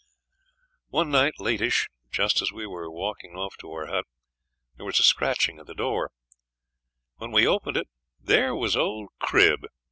One night, latish, just as we were walking off to our hut there was a scratching at the door; when we opened it there was old Crib!